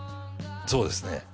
そうですね